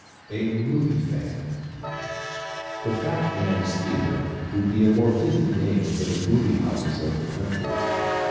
A Movie Fan ¶ "The fat man's theater" would be a fitting name for the movie houses of the country.